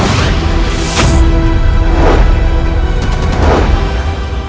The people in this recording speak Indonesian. ilmu pecah raga